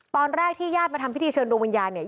ตอนแรกที่ญาติมาทำพิธีเชิญดวงวิญญาณเนี่ย